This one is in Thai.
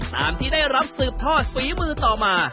ตามที่ได้รับสืบทอดฝีมือต่อมา